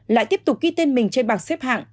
lại tiếp tục ghi tên mình trên bảng xếp hạng